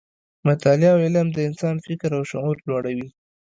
مطالعه او علم د انسان فکر او شعور لوړوي.